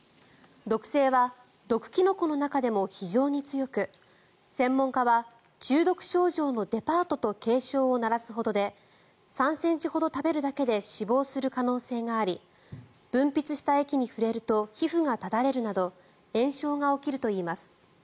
毒性は毒キノコの中でも非常に強く専門家は中毒症状のデパートと警鐘を鳴らすほどで３ｃｍほど食べるだけで死亡する可能性があり分泌した液に触れると皮膚がただれるなど炎症が起きるといいます。